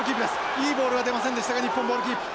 いいボールは出ませんでしたが日本ボールキープ。